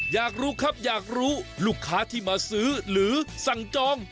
อยากรู้ครับอยากรู้ลูกค้าที่มาซื้อหรือสั่งจอง